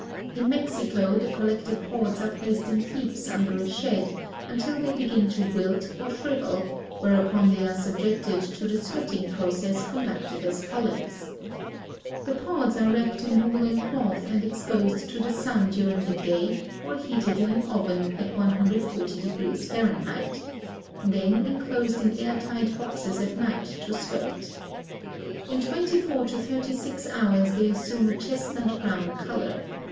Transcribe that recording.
In Mexico the collected pods are placed in heaps under a shed until they begin to wilt or shrivel, whereupon they are subjected to the sweating process conducted as follows: The pods are wrapped in woolen cloth and exposed to the sun during the day or heated in an oven at 140°F., then enclosed in air tight boxes at night to sweat. In twenty four to thirty six hours they assume a chestnut brown color.